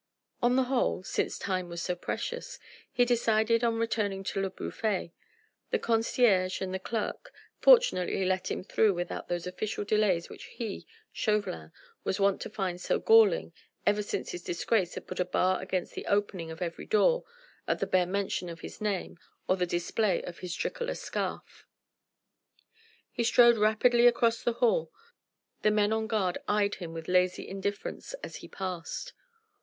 On the whole since time was so precious he decided on returning to Le Bouffay. The concierge and the clerk fortunately let him through without those official delays which he Chauvelin was wont to find so galling ever since his disgrace had put a bar against the opening of every door at the bare mention of his name or the display of his tricolour scarf. He strode rapidly across the hall: the men on guard eyed him with lazy indifference as he passed.